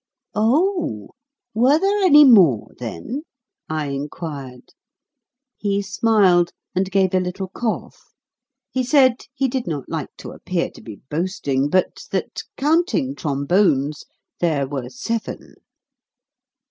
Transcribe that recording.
"Oh, were there any more then?" I inquired. He smiled, and gave a little cough. He said he did not like to appear to be boasting, but that, counting trombones, there were seven.